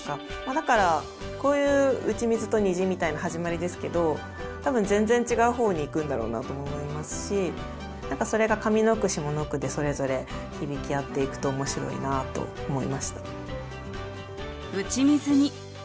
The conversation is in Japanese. だからこういう「打ち水」と「虹」みたいな始まりですけど多分全然違う方にいくんだろうなと思いますし何かそれが上の句下の句でそれぞれ響き合っていくと面白いなと思いました。